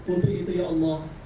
untuk itu ya allah